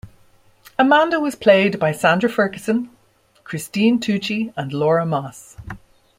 Amanda was played by Sandra Ferguson, Christine Tucci, and Laura Moss.